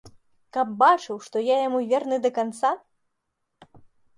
Каб бачыў, што я яму верны да канца?